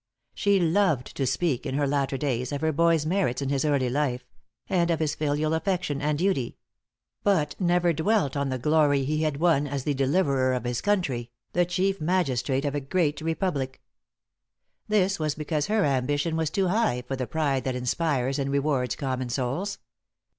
She loved to speak, in her latter days, of her boy's merits in his early life, and of his filial affection and duty; but never dwelt on the glory he had won as the deliverer of his country, the chief magistrate of a great republic. This was because her ambition was too high for the pride that inspires and rewards common souls.